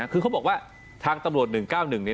คือเขาบอกว่าทางตำรวจ๑๙๑นี้นะครับ